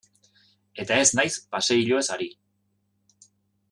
Eta ez naiz paseilloez ari.